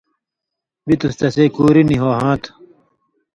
تے تُس تسے کُوری نی ہو ہاں تھہ۔